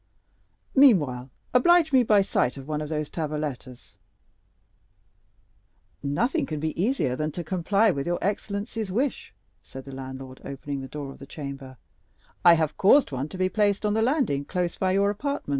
Meanwhile, oblige me by a sight of one of these tavolettas." "Nothing can be easier than to comply with your excellency's wish," said the landlord, opening the door of the chamber; "I have caused one to be placed on the landing, close by your apartment."